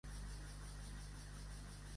A Senyús, matapolls.